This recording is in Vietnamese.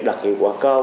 đạt hiệu quả cao